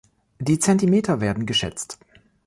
Die Zentimeter werden geschätzt.